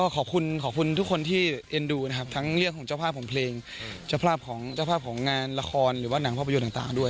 ขอบคุณขอบคุณทุกคนที่เอ็นดูนะครับทั้งเรื่องของเจ้าภาพของเพลงเจ้าภาพของเจ้าภาพของงานละครหรือว่าหนังภาพยนตร์ต่างด้วย